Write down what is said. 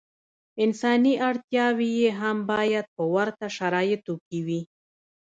انساني اړتیاوې یې هم باید په ورته شرایطو کې وي.